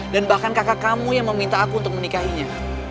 dan bahkan kakak kamu yang meminta aku untuk menikahinya